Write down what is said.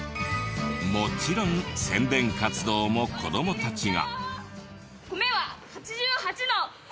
もちろん宣伝活動も子どもたちが。